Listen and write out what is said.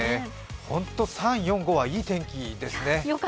本当に３、４、５はいい天気ですね。